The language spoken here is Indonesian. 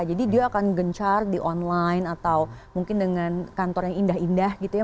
jadi dia akan gencar di online atau mungkin dengan kantor yang indah indah gitu ya